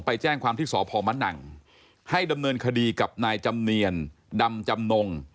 ไปแจ้งความที่สพมะนังให้ดำเนินคดีกับนายจำเนียนดำจำนง